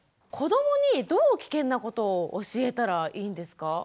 子どもにどう危険なことを教えたらいいんですか？